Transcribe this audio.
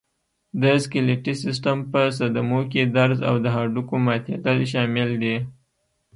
د سکلېټي سیستم په صدمو کې درز او د هډوکو ماتېدل شامل دي.